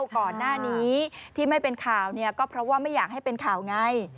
ก่อนหน้านี้ที่ไม่เป็นข่าวเนี่ยก็เพราะว่าไม่อยากให้เป็นข่าวไง